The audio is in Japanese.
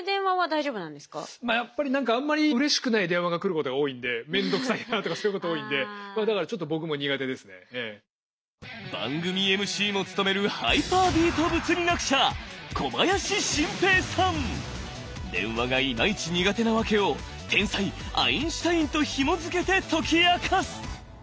まあやっぱり何かあんまりうれしくない電話が来ることが多いんで面倒くさいなとかそういうこと多いんで番組ＭＣも務めるハイパービート物理学者電話がイマイチ苦手なワケを天才アインシュタインとひもづけて解き明かす！